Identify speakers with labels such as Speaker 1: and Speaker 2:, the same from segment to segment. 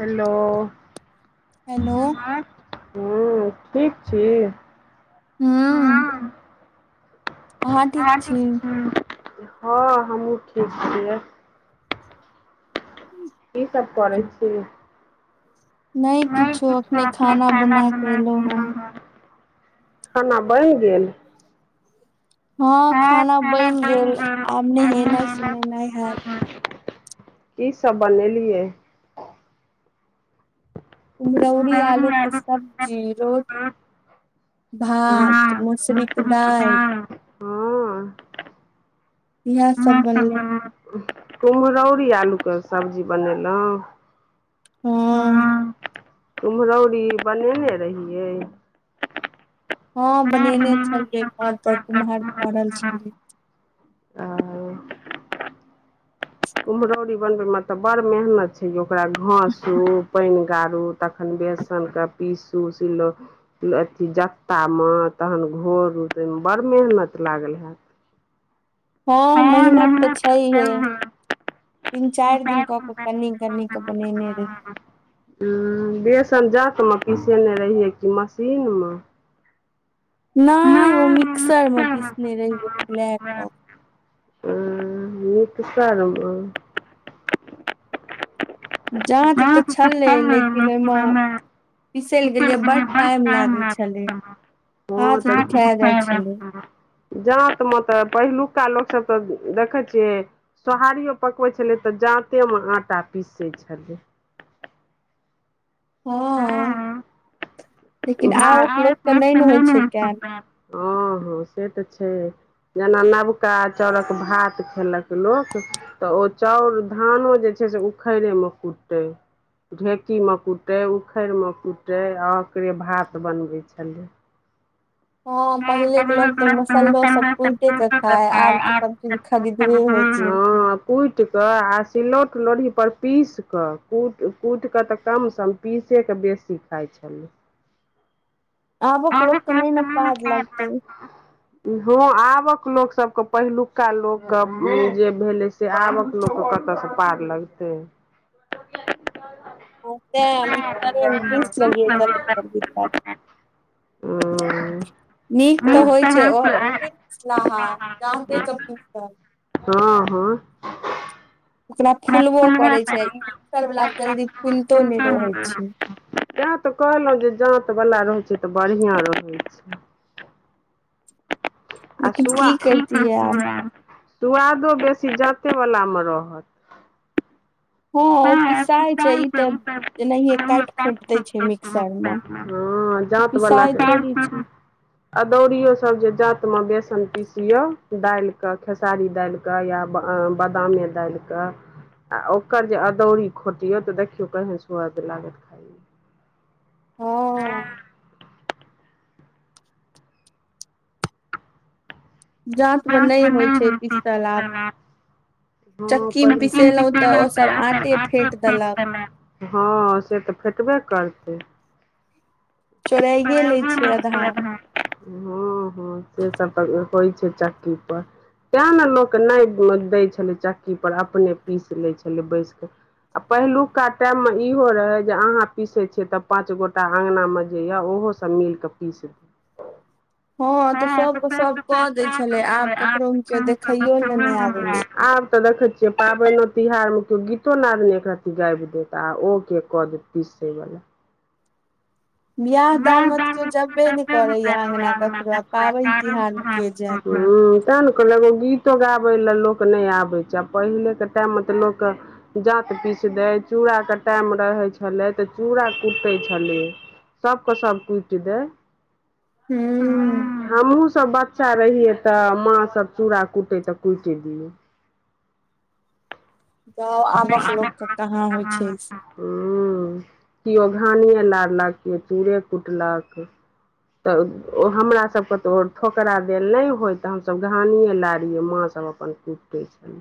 Speaker 1: Hello हँ ठीक छी
Speaker 2: हूँ
Speaker 1: हँ हँ ठीक छै हँ हमहूँ ठीक छियै की सब करै छीय में किछौ एखन खाना बना के एलाउ ये खाना बनी गेल
Speaker 2: हँ खाना बनि गेल आब नहेनाइ सोनेनाइ हैत
Speaker 1: की सब बनेलियै
Speaker 2: कुमरौरी आलू के सब्जी रोटी भात मसरी दाइल इहाँ सब बनलै
Speaker 1: कुम्हरौरी आलू के सब्जी बनेलहुँ
Speaker 2: हँ
Speaker 1: कुम्हरौरी बनेने रहियै
Speaker 2: हँ बनेने छलियै घर पर कुम्हर फड़ल छलियै
Speaker 1: कुम्हरौरी बनबैमें तऽ बड़ मेहनत छै ओकरा घसू पनि गारू तखन बेसनके पीसू सिलहु अथी जत्तामे तहन घोर उ तैमे बड़ मेहनत लागल हैत
Speaker 2: हँ मेहनत तऽ छय ही है तीन चारि दिन कऽ कऽ कनी कन्नी क बनेने रहहि
Speaker 1: उ बेसन जात मे पीसेने रहियै कि मशीन में
Speaker 2: नहि ओ मिक्सर में पीसने रहि जे छल
Speaker 1: मिक्सर में
Speaker 2: जात तऽ छलै लेकिन ओहि में पसैल गेलियै बड टाइम लागे छले हाथ दुखा जाइ छल
Speaker 1: जातमे तऽ पहिलुका लोकसभ तऽ देखै छिय सोहारियओ पकबै छलै तऽ जाँतेमे आटा पीसै छल
Speaker 2: हँ लेकिन आबक लोकके नहि ने होइ छै न के
Speaker 1: ह ह से तऽ छै जेना नबका अ चाउरक भात खेल क लोक तऽ उ चाउर धानो जे छै से उखड़ेमे कुटै ढेेकी में कूटै उखड़िमे कूटै आकरे भात बनबै छलै
Speaker 2: हँ पहिले के लोको तऽ मसाल्लो सब कुटे के खा आब त सब चीज खरीदबे होइ छ
Speaker 1: कुटि कऽ आ सिलौट लोढ़ी पर पीस कऽ कूटि कुट कऽ तऽ कम सम। पीसे के बेसी खााय छल
Speaker 2: आबक लोक के नहि ने पाज लगतै
Speaker 1: हँ आबक लोक सबके पहिलुका लोक के जे भेलै से आबक लोक के कतऽ से पार लगतै
Speaker 2: ओ त मिक्सर में पीस लेलिये जल्दी जल्दी दुआरे
Speaker 1: ओ
Speaker 2: नीक तऽ होइ छहाते
Speaker 1: हँ हँ
Speaker 2: ओकरा फुलबो करे छै ई मिक्सर वालला जल्दी फुलितो नहि रहैत छ
Speaker 1: इएह तऽ कहलहु जे जांत वाला रहे छै तऽ बढ़िया रहै छै आ सु सुआदो बेसी जाते बलामे रहत
Speaker 2: हँ ओ पिसाय छै ई तऽ एनाये काटि खोटि दै छै मिक्सर में पिसाइ थोड़ी छइ
Speaker 1: अदौड़ियो सब जे जात मे बेसन पीस दालिक के खेसारी दालि ऽ या बादमे दालिकऽ आ ओ ओकर जे अदौड़ी खोटियो तऽ देखियौ कहीे सु्वद लागत
Speaker 2: हँ
Speaker 1: ब [unintelligible] चल त आट छै [unintelligible] हँ से तऽ फेेकबे करतै हां ह से सब तऽ होइ छै चक्की पर [inaudible] तैँ ने लोक नहि दै छलै चक्कीपर अपने पीस लै छलै बैस कऽ आ पहिलुका टाइम मे इहो रहे जे अहाँ पीसे छिय तऽ पाँच गोटा अङंगना मे य ओहो सब मिल क पीस
Speaker 2: हँ तऽ सबके सब क दय छले आब केकरो मे किओ देखैयो ले नहि आबे छै
Speaker 1: आब तऽ देखै के पाबनि तिहारमे केओ गीतो नाद एकरत्ती गाबि देत आ ओ के कऽ देत पीसैवला
Speaker 2: बियाह दान में तऽ केओ जबे ने करे या अंगना ककरो आ पावनि तिहार मे के जायत
Speaker 1: हँ तैँ ने कहलक ओ गीतो गाबै लए लोक नहि आबै छै आ पहिलेके टाइममे तऽ लोकके जाँत पीस दै चूड़ाके टाइम रहैत छलै तऽ चूड़ा कूटै छलै सब क सब कुट दै
Speaker 2: हूँ
Speaker 1: हमहुँ सब बच्चा रहियै तऽ माँ सब चूड़ा कुटै तऽ कुटि दियौ
Speaker 2: जाउ आबक लोक के कहाँ होइ छै स
Speaker 1: ह केओ घानिे लारलक केओ चूड़े कुटलक तऽ हमरासभके तऽ ठोकरा देल नहि होय तऽ हमसभ घाहानिये लारियै माँसभ अपन कूटै छलै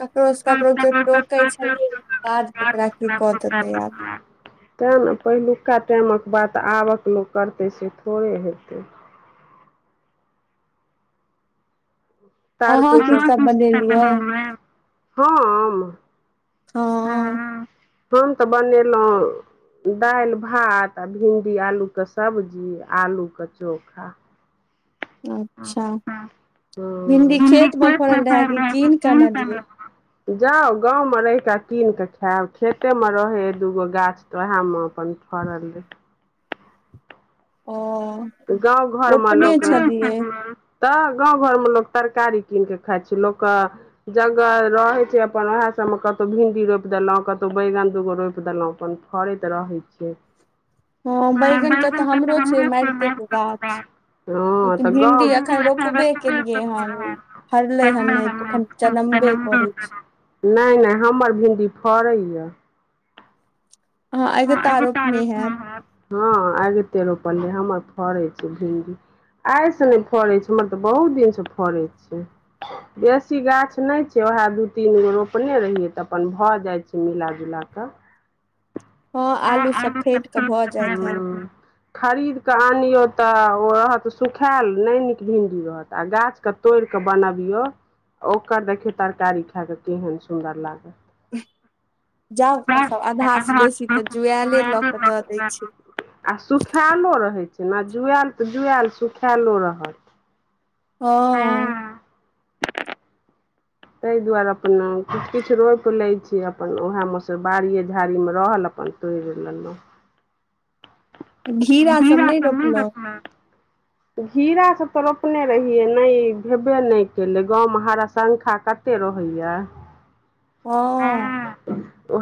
Speaker 2: ककरो स ककरो केओ टोकै छलियै बाद ककरा की कऽ देते आब
Speaker 1: तैँ ने पहिलुका टाइमके बात आबक लोक करतै से थोड़े हेतै त हँ आ [unintelligible]
Speaker 2: हँ
Speaker 1: हम तऽ बनेलहुँ दालि भात आ भिण्डी आलूके सब्जी आलूके चोखा
Speaker 2: अच्छा भिंडी खेत मे फड़ल रहै कि कीन कऽनलियै
Speaker 1: जाउ गाँवमे रहिकऽ कीन कऽ खायब खेते मे रहै दूगो गाछ तऽ ओएहमे अपन फड़ रहलै
Speaker 2: ओ
Speaker 1: गाँव घरमे लोक तऽ गाँव घरमे लोक तरकारी कीन कऽ खाइ छै लोकक जगह रहैत छै अपन उह सभमे कतहु भिंडी रोपि देलहुँ कतहु बैगन दूगो रोपि देलहुँ अपन करैत रहैत छै
Speaker 2: हँ बैगन के तऽ हमरो छै मैरिते के गाछ भिन्डी एखन रोपबे केलियै हन फरलै हर नहि जनम्बे कोरैछै
Speaker 1: नहि नहि हमर भिण्डी फड़ैया हँ ऐगते रूप हमर फड़ैत छै भिंडी आइसँ नहि फड़ैत छै हमर तऽ बहुत दिनसँ फड़ै छै बेसी गाछ नहि छै वएह दू तीन गो रोपने रहियै तऽ अपन भऽ जाइ छै मिलाजुला कऽ
Speaker 2: हँ आलू सब फेट क भऽ जायइत हैत
Speaker 1: खरीद कऽ आनियौ तऽ ओ रहत सुखायल नहि नीक भिण्डी रहत आ गाछ क तोड़ कऽ बनबियौ ओकर देखियौ तरकारी खाय कऽ केहन सुन्दर लागल
Speaker 2: जाउम आधा से बेसी तऽ जुआले लऽ के दऽ दै छै
Speaker 1: आ सुखायलो रहैत छै ने जुआल तऽ जुआएल सुखायलो रह
Speaker 2: हँ
Speaker 1: ताहि दुआरे अपन किु किछु रोपि लैत छी अपन उएहमें सँ बाड़िए झाड़ीमे रहल अपन हं
Speaker 2: घीरा सब नहि रोपलो
Speaker 1: घीराासब तऽ रोपने रहियै नहि भेबे नहि भैलै गाँवमे कते हर संंखा कत रहय होइए
Speaker 2: हँ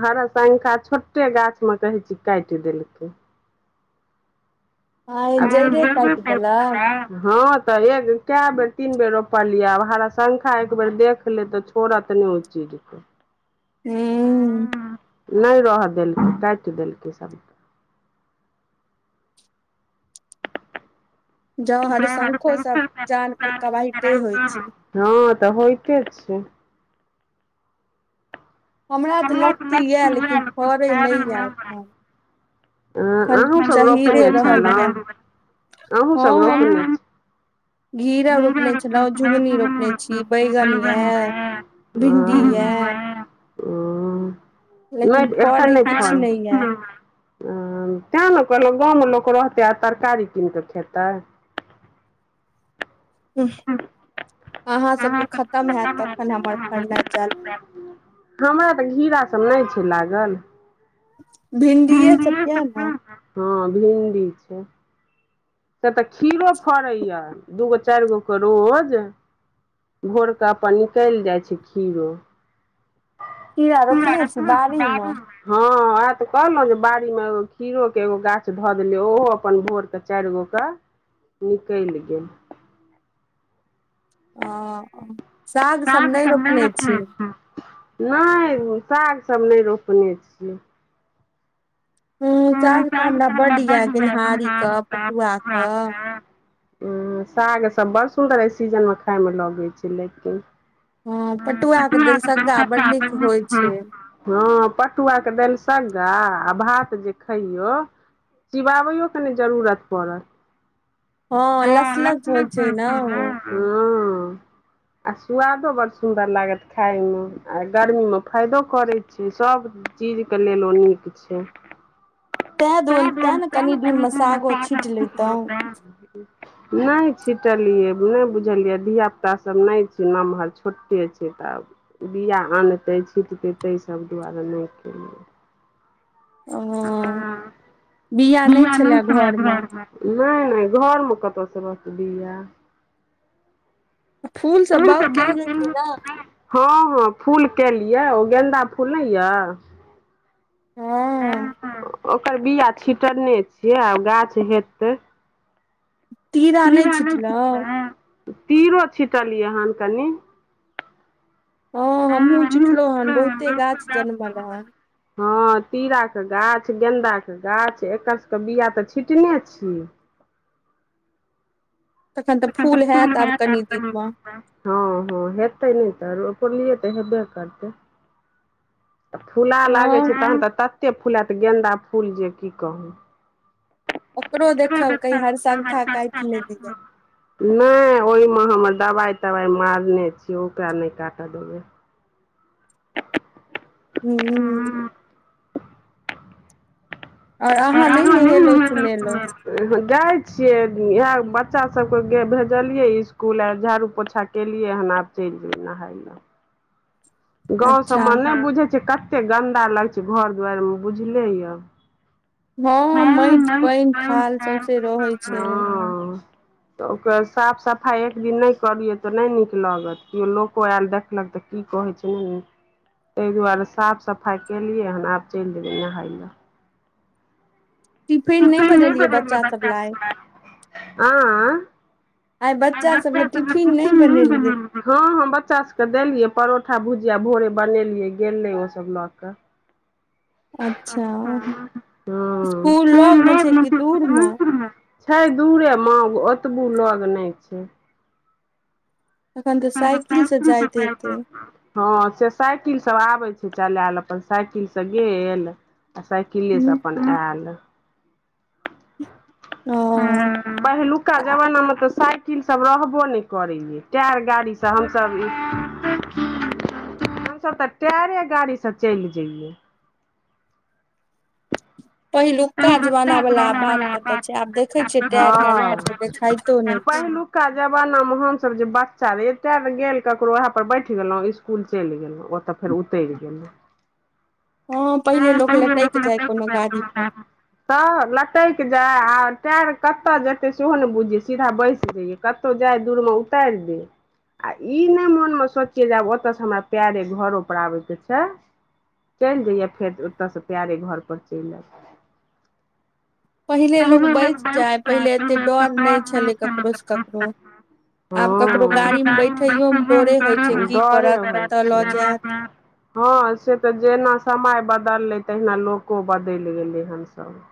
Speaker 1: हर शंखा छोटे गाछ में कहै छी काटि देलकै [unintelligible] हँ तऽ एक कए बेर तीन बेर रोपलियै आब हरा संखा एक बेर देख ले तऽ छ छोरत नइ ओ चीज के
Speaker 2: हूँ
Speaker 1: नहि रह देलकै काटि देलकै सब
Speaker 2: जं हर शंखो सब जान के कबहि ते होइ छै
Speaker 1: हँ तऽ होइतइते छ
Speaker 2: हमरा तऽ लत्ती यए लेकिन फड़ै नहि य एखन एखन चहिरे रहल य हँ हम घीरा रोपने छलहुँ झुगनी रोपने छी बैगन भिंडी
Speaker 1: ओ नहि एख नइ खा ह तैँ ने कहलहुँ गाँवमे लोक रहतै आ तरकारी कीन कऽ खेत
Speaker 2: अहाँ सबके खतम हयत तखन हमर फड़नाइ चालू
Speaker 1: हमरा तऽ घीरा स सब नहि छै लागल
Speaker 2: भिंडी य सब ने
Speaker 1: हँ भिन्डी छै से तऽ खीरो फड़ैया दू गो चरि गो के रोज भोर क अपन निकलि जाइछै खीरो खीरा रोपने छी बारी मे ह वएह तऽ कहलहु जे बाड़ी मे एगो खीरो के एगो गाछ धऽ देले ओहो अपन भोर के चारिगो गो त निकलि गेल
Speaker 2: ओ साग सब नै रोपने छी
Speaker 1: नइ साग सब नय रोपने छियै
Speaker 2: हूं साग तऽ हमरा बड्डइय गेनहारी के पटुआ के
Speaker 1: हूं साग सब बड़ सुन्दर अइ सीजनमे खाय में लगै छै लेकिन ह कट आ त ह हँ पटुआ के दलि सग्गा आ भात ज खैइयौ चिबाबियो के नइ जरूरत पडत
Speaker 2: हँ लस लस होइ छै न
Speaker 1: हूँ आ स्वादो बड़ सुंदर लागत खाय में आ गर्मी में फायदो करे सब चीजके लेल ओ नीक छै तै ने तनी दिन नहि छिटलियै नहि बुझलियै धियापुतास सब नइ छै नमहर छोटे छै सब बिआ अनतै छिटतै तै सब दुआरे नइ केलहौं
Speaker 2: हूं बिआ नइ छला घर में
Speaker 1: वएह नइ घर में कतहुसे रहतै एय
Speaker 2: फूल स बावकेेलक ने
Speaker 1: हँ हँ फूल केेलिए ओ गेन्दा फूल नइ य ओकर बीआ छिटने छियै आब गाछ हेत तीरा नइ छिटलें तीरो छिटलियै हन कन
Speaker 2: हँ हमहुँ छिटलौं हन बहुते गाछ जनमल ह
Speaker 1: हँ तीराके गाछ गेन्दाके गाछ एकर सबके बिआ तऽ छिटने छ
Speaker 2: तखन तऽ फूल हयत आब कनि दिन में
Speaker 1: हँ हँ हेतै नइ तऽ रोपलियए तऽ हेबे करतै फूला लागै छै तहन तऽ तते फूल हयत गेन्दा फूल जे की कहू
Speaker 2: ओकरो देखलकै हरशंखा काटि लेलइए
Speaker 1: नइ ओइमें हम दबाइ तबाइ मारने छियै ओकरा नइ काटऽ देबै
Speaker 2: हूं और अहाँ नइ नहेलहुं सुनेलहुं
Speaker 1: जाय छियै इहे बच्चा सब के भेजलिये स्कूल आ झाड़ू पोछा केलियए हन आब चलि जेबै नहाइ लए गाँव सभमें नइ बुझै छियै कतेक गन्दा लगै छै घर दुआरिमे बुझले यए
Speaker 2: हँ माइट पानि थाल सौंसे रहै छै
Speaker 1: तऽ ओकर साफ सफाइ एक दिन नइ करियै तऽ नइ नीक लगत केओ लोको आयल देखलक तऽ की कहैत छल हूं तै दुआरे साफ सफाइ केलियै हन आब चलि जेबै नहाय लय टि नहि आ
Speaker 2: आइ बच्चा सब लै टिफिन नइ बनेलिये
Speaker 1: हँ हँ बच्चा सबके देलियै परोठा भुजिया भोरे बनेलियै गेलै ओ सब लऽ कए
Speaker 2: अच्छा इस्कुल लग में छै कि दूर मे
Speaker 1: छै दूरे ओतबू लग नइ छै
Speaker 2: तखन तऽ साइकिल से जाइत हेतै
Speaker 1: हँ से साइकिल सब आबै छै चलायल अपन साइकिल से गेल आ साइक किल्ले से अपन एल पहलुका जबाना म तऽ सा किल सब रहबो नइ करैय टायर गाड़ीसं हमसब हमसब त टायरे गाड़ीसँ चलि जइयै
Speaker 2: पहिलुका जमाना वला बात कतऽ छै आब देखे छियै टायर गाड़ी कतहु देखाइतो नइ छ
Speaker 1: एतुका जमाना में हमसब जे बच्चा रहय एते र गेल ककरो वएह पर बैठ गेलहुँ इसकुल चलि गेलहुँ ओतऽ फेर उतरि गेलहुँ
Speaker 2: हँ पहिले लोक लटैक जाय कोनो गाड़ी पर
Speaker 1: तऽ लटक जाय आ टायर कत‌उ जेतै सेहो ने बुझियै सीधा बैस जैयै कत‌उ जाइ दूर में उतार दिऔ आ ई नहि मोन मे सोचिये जे आब ओतय से हमरा पेरे घोरे आबे के छै चलि जइय फेर ओतयसँ पेरे घरपर चलि एब
Speaker 2: पहिले लोग बैस जाय पहिले एते डोर नहि छलै ककरो से ककरो आब ककरो गाड़ी में बैठैयो मे डोरे होइ छै की करत कतौ लऽ जायत
Speaker 1: हँ से तऽ जेना समय बदललै तहिना लोको बदल गेलै हनसब